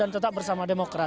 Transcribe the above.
dan tetap bersama demokrat